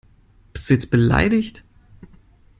Bist du jetzt beleidigt?